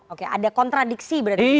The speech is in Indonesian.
oke ada kontradiksi berarti